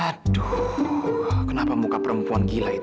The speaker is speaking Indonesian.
aduh kenapa muka perempuan gila itu